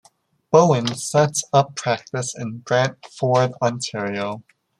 Bown set up practice in Brantford, Ontario.